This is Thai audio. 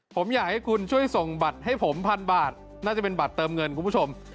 ผมอยากให้คุณช่วยส่งบัตรให้ผมพันบาทน่าจะเป็นบัตรเติมเงินคุณผู้ชม